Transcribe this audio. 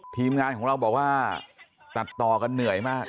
ทีมงานของเราบอกว่าตัดต่อกันเหนื่อยมาก